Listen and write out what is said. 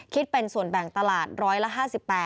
คิดเป็นส่วนแบ่งตลาดร้อยละ๕๘